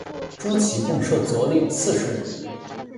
诸旗共设佐领四十人。